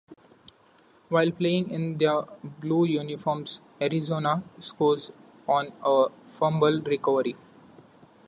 While playing in their blue uniforms, Arizona scores on a fumble recovery.